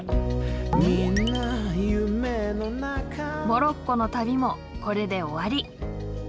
モロッコの旅もこれで終わり。